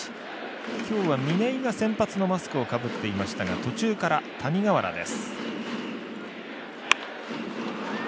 今日は嶺井が先発のマスクをかぶっていましたが途中から谷川原です。